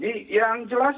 jadi yang jelas